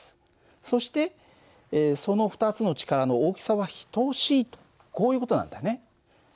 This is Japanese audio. そしてその２つの力の大きさは等しいとこういう事なんだね。